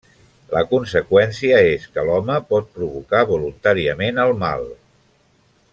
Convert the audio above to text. La conseqüència és que l'home pot provocar voluntàriament el mal.